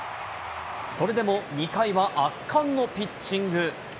それでも２回は圧巻のピッチング。